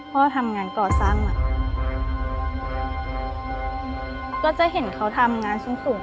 พ่อทำงานก่อสร้างมาก็จะเห็นเขาทำงานสูงสูง